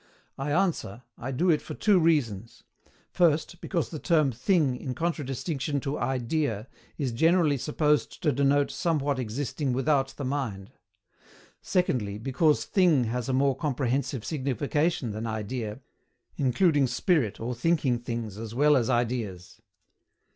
I answer, I do it for two reasons: first, because the term THING in contra distinction to IDEA, is generally supposed to denote somewhat existing without the mind; secondly, because THING has a more comprehensive signification than IDEA, including SPIRIT or thinking things as well as IDEAS.